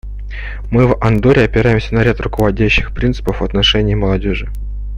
Мы, в Андорре, опираемся на ряд руководящих принципов в отношении молодежи.